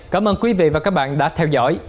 cảm ơn quý vị và các bạn đã theo dõi